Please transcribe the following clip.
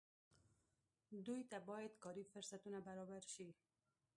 دوی ته باید کاري فرصتونه برابر شي.